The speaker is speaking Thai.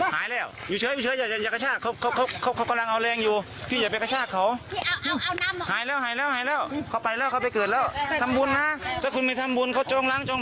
หายแล้วอยู่เฉยอย่าอย่ากระชากเขาเขาเขาเขากำลังเอาแรงอยู่